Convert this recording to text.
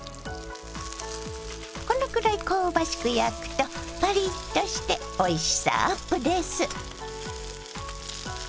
このくらい香ばしく焼くとパリッとしておいしさアップです。